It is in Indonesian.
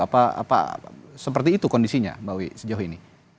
apa seperti itu kondisinya mbak wi sejauh ini